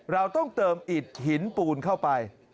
เราต้องเติมอิดหินปูนเข้าไป